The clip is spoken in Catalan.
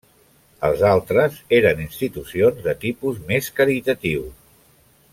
Els altres eren institucions de tipus més caritatiu.